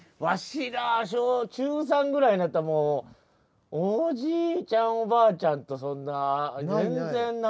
わしら中３ぐらいになったらもうおじいちゃんおばあちゃんとそんな全然なかった。